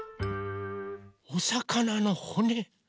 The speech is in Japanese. おさかなのほね。